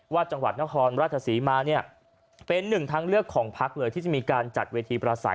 จังหวัดนครราชศรีมาเนี่ยเป็นหนึ่งทางเลือกของพักเลยที่จะมีการจัดเวทีประสัย